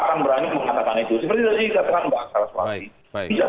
seperti yang tadi katakan mbak saraswati